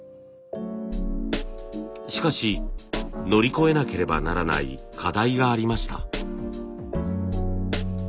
しかし乗り越えなければならない課題がありました。